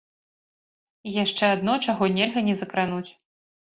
І яшчэ адно, чаго нельга не закрануць.